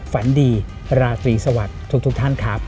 ฝันดีราศรีสวัสดีทุกท่านครับ